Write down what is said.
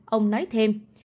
ông nói thêm